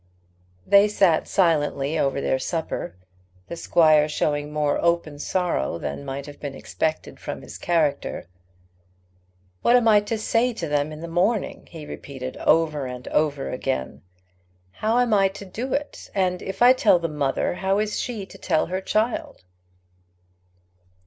They sat silently over their supper, the squire showing more open sorrow than might have been expected from his character. "What am I to say to them in the morning?" he repeated over and over again. "How am I to do it? And if I tell the mother, how is she to tell her child?"